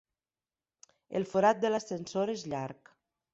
El forat de l'ascensor és llarg.